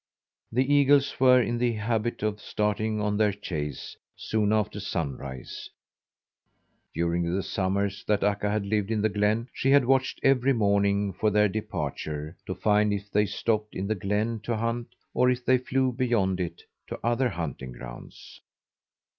The eagles were in the habit of starting on their chase soon after sunrise; during the summers that Akka had lived in the glen she had watched every morning for their departure to find if they stopped in the glen to hunt, or if they flew beyond it to other hunting grounds.